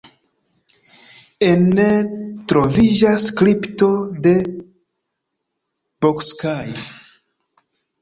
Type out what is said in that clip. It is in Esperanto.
Ene troviĝas kripto de Bocskai.